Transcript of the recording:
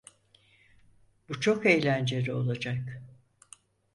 Bu çok eğlenceli olacak.